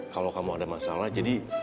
kalau kamu ada masalah jadi